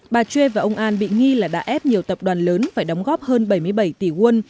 bà chuê và ông an bị nghi là đã ép nhiều tập đoàn lớn phải đóng góp hơn bảy mươi bảy tỷ won